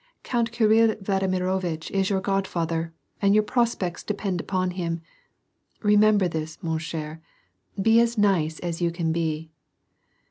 Count Kirill Vladimirovitch is your godfather, and your prospects depend upon him. Kemember this, mon eher, be nice as you can be."